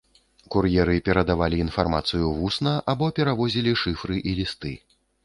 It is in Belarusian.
Кур'еры перадавалі інфармацыю вусна або перавозілі шыфры і лісты.